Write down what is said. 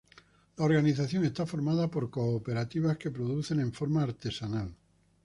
La organización está formada por cooperativas que producen en forma artesanal.